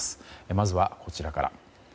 まずは、こちらから。